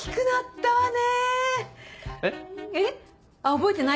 覚えてないか。